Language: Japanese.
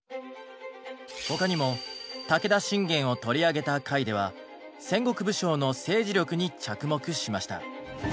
他にも武田信玄を取り上げた回では戦国武将の政治力に着目しました。